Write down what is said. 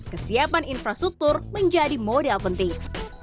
kesiapan infrastruktur menjadi modal penting